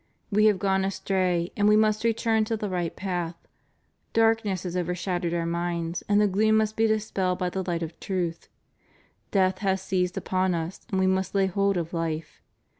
We have gone astray and we must return to the right path : darkness has overshadowed our minds, and the gloom must be dispelled by the light of truth : death has seized upon us, and we must lay hold of life.